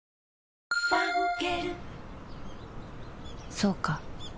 そうか